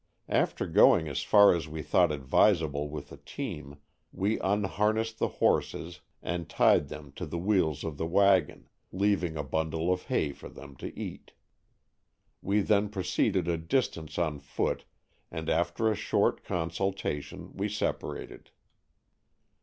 After going as far as we thought advisable with the team, we unharnessed the horses and tied them to the wheels of the wagon, leaving a bundle of hay for them to eat. We then proceeded a distance on foot and after a short con sultation we separated.